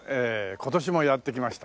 今年もやって来ました